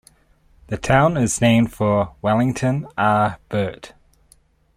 The town is named for Wellington R. Burt.